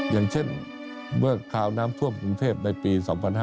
อย่างเช่นเมื่อคราวน้ำท่วมกรุงเทพในปี๒๕๕๙